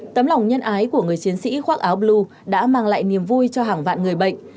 tấm lòng nhân ái của người chiến sĩ khoác áo blue đã mang lại niềm vui cho hàng vạn người bệnh